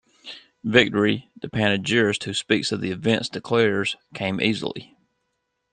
Victory, the panegyrist who speaks of the events declares, came easily.